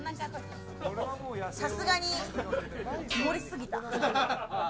さすがに盛りすぎた。